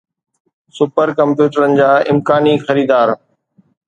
super ڪمپيوٽرن جا امڪاني خريدار